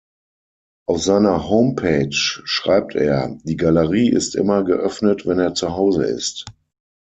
Auf seiner Homepage schreibt er, die Galerie ist immer geöffnet, wenn er zuhause ist.